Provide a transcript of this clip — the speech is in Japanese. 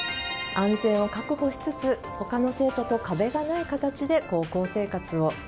安全を確保しつつ他の生徒と壁がない形で高校生活を。